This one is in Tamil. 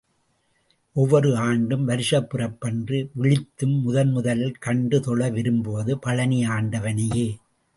ஒவ்வொரு ஆண்டும் வருஷப் பிறப்பன்று விழித்ததும் முதன் முதல் கண்டு தொழ விரும்புவது பழநி ஆண்டவனையே.